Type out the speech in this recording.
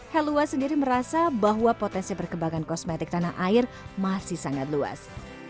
helluas sendiri merasa bahwa potensi perkembangan kosmetik tanah air masih sangat luas